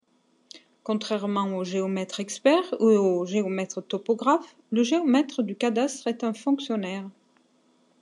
Contrairement au géomètre-expert ou au géomètre-topographe, le géomètre du cadastre est un fonctionnaire.